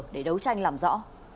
để đấu tranh làm rõ